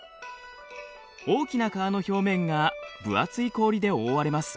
大きな川の表面が分厚い氷で覆われます。